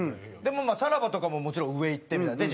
まあさらばとかももちろん上行ってみたいな。